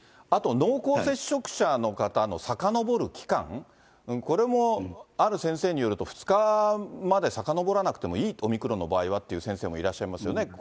あと、濃厚接触者の方のさかのぼる期間、これも、ある先生によると２日までさかのぼらなくてもいい、オミクロンの場合はという先生、いらっしゃいますよね。